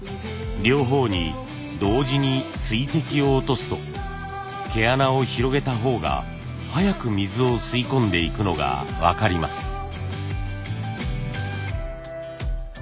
両方に同時に水滴を落とすと毛穴を広げた方が早く水を吸い込んでいくのが分かります。